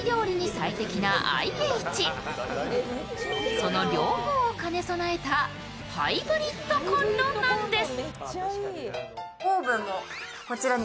その両方を兼ね備えたハイブリッドコンロなんです。